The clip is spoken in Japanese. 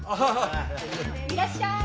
いらっしゃーい。